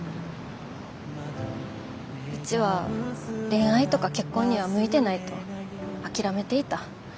うちは恋愛とか結婚には向いてないと諦めていた。